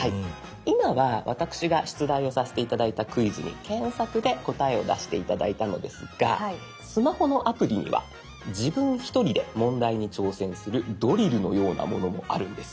今は私が出題をさせて頂いたクイズに検索で答えを出して頂いたのですがスマホのアプリには自分一人で問題に挑戦するドリルのようなものもあるんです。